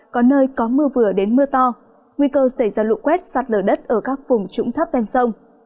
có nơi có mưa vừa đến mưa to nguy cơ xảy ra lụ quét sạt lở đất ở các vùng trũng thấp ven sông